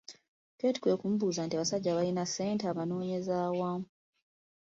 Keeti kwe kumubuuza nti, “Abasajja abalina ssente obanoonyeza wa?